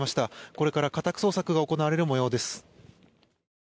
これから家宅捜索が行われる模様です。